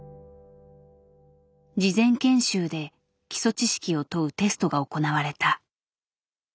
事前研修で基礎知識を問うテストが行われた。